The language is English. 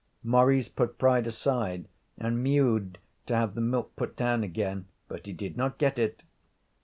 Maurice put pride aside and mewed to have the milk put down again. But he did not get it.